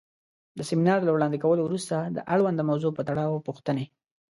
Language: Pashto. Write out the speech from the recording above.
د سمینار له وړاندې کولو وروسته د اړونده موضوع پۀ تړاؤ پوښتنې